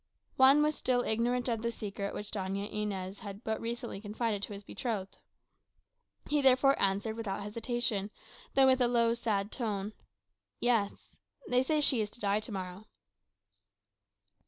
Juan was still ignorant of the secret which Doña Inez had but recently confided to his betrothed. He therefore answered, without hesitation, though in a low, sad tone, "Yes; they say she is to die to morrow."